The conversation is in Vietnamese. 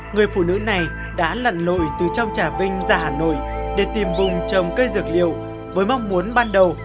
người phụ nữ này đã lặn lội từ trong trả vinh giả nổi để tìm vùng trồng cây dược liệu với mong muốn ban đầu